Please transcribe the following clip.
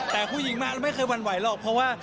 แต่ผู้หญิงมาไม่เคยหวั่นไหวหรอกเพราะว่า